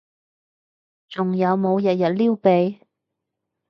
仲有冇日日撩鼻？